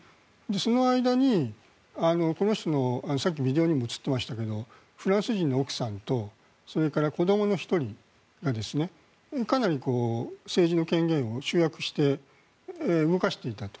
その間にこの人のさっきビデオにも映っていましたがフランス人の奥さんとそれから子どもの１人がかなり政治の権限を集約して動かしていたと。